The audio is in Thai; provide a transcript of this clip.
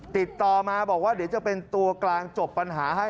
ติดต่อมาบอกว่าเดี๋ยวจะเป็นตัวกลางจบปัญหาให้